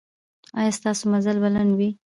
ایا ستاسو مزل به لنډ وي؟